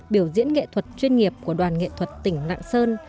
biểu diễn nghệ thuật chuyên nghiệp của đoàn nghệ thuật tỉnh lạng sơn